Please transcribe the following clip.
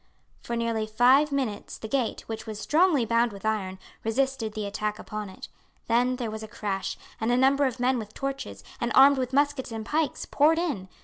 For nearly five minutes the gate, which was strongly bound with iron, resisted the attack upon it. Then there was a crash, and a number of men with torches, and armed with muskets and pikes, poured in.